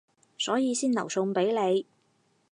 所以先留餸畀你